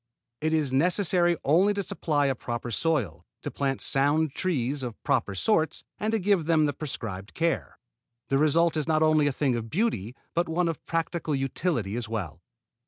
It is necessary only to supply a proper soil, to plant sound trees of proper sorts, and to give them the prescribed care. The result is not only a thing of beauty but one of practical utility as well.